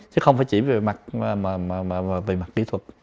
chứ không phải chỉ về mặt kỹ thuật